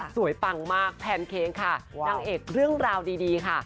ปังมากแพนเค้กค่ะนางเอกเรื่องราวดีค่ะ